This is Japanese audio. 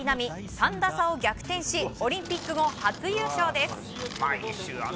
３打差を逆転しオリンピック後初優勝です。